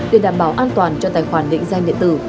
để đảm bảo an toàn cho tài khoản định danh điện tử